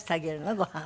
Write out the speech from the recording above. ごはんは。